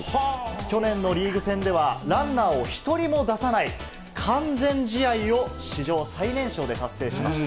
去年のリーグ戦では、ランナーを１人も出さない完全試合を、史上最年少で達成しました。